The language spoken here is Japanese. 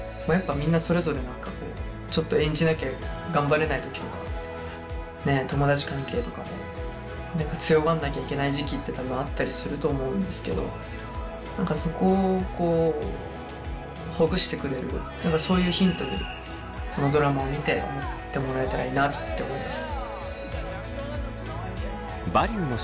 みんなそれぞれ何かこうちょっと演じなきゃ頑張れない時とかね友達関係とかも何か強がんなきゃいけない時期って多分あったりすると思うんですけど何かそこをほぐしてくれるそういうヒントにこのドラマを見て思ってもらえたらいいなって思います。